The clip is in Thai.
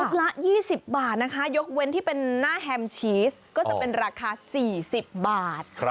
ละ๒๐บาทนะคะยกเว้นที่เป็นหน้าแฮมชีสก็จะเป็นราคา๔๐บาท